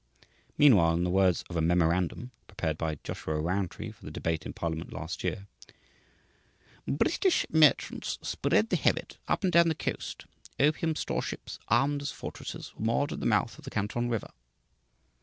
Meantime, in the words of a "memorandum," prepared by Joshua Rowntree for the debate in parliament last year, "British merchants spread the habit up and down the coast; opium store ships armed as fortresses were moored at the mouth of the Canton River."